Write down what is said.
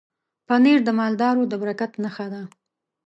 پنېر د مالدارو د برکت نښه ده.